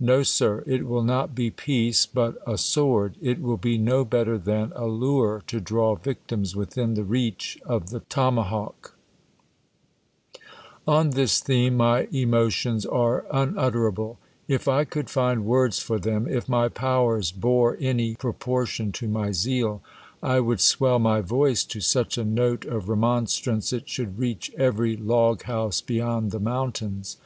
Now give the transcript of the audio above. No, Sir, it will not be peace, but a sword; i will be no better <han a Iwre to draw victims within th^ reach of the tomahawk. THE COLUlVrBIAN ORATOR, 231 On this theme, my emotions are unutterable. If I ?€ould find words for them, if my powers bore any pro portion to my zeal, I would swell my voice to such a note of remonstrance, it should reach every log house beyond the mountains.